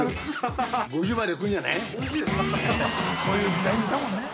そういう時代にいたもんね。